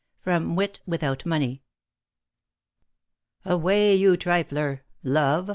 Wit without Money. Away, you triflerl Love?